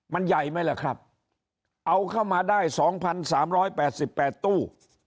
มันใหญ่ไหมแหละครับเอาเข้ามาได้สองพันสามร้อยแปดสิบแปดตู้